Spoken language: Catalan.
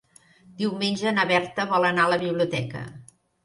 Diumenge na Berta vol anar a la biblioteca.